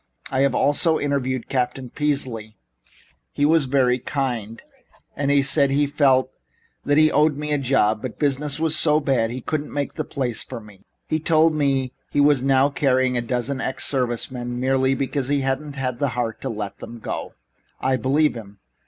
"I have also interviewed Captain Peasley. He was very kind. He said he felt that he owed me a job, but business is so bad he couldn't make a place for me. He told me he is now carrying a dozen ex service men merely because he hasn't the heart to let them go. I believe him."